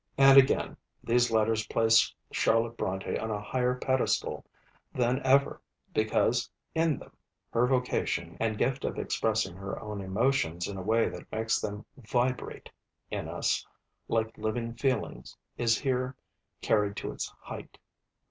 And, again, these letters place Charlotte Brontë 'on a higher pedestal than ever,' because in them her vocation and gift of expressing her own emotions in a way that makes them 'vibrate' in us like living feelings is here carried to its height.